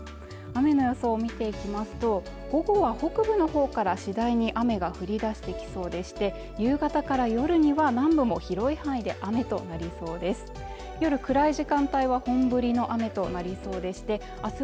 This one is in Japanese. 雨の予想見ていきますと午後は北部のほうから次第に雨が降り出してきそうでして夕方から夜には南部も広い範囲で雨となりそうです